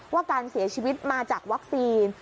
ว่าการเสียชีวิตมาจากวัคซีน